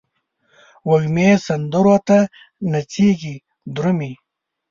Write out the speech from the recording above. وږمې سندرو ته نڅیږې درومې